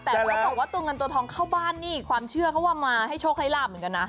แต่เขาบอกว่าตัวเงินตัวทองเข้าบ้านนี่ความเชื่อเขาว่ามาให้โชคให้ลาบเหมือนกันนะ